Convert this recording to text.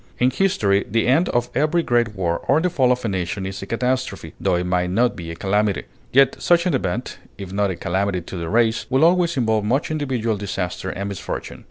In history, the end of every great war or the fall of a nation is a catastrophe, tho it may not be a calamity. Yet such an event, if not a calamity to the race, will always involve much individual disaster and misfortune.